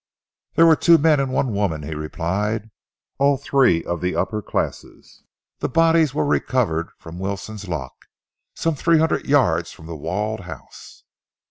"There were two men and one woman," he replied, "all three of the upper classes. The bodies were recovered from Wilson's lock, some three hundred yards from The Walled House."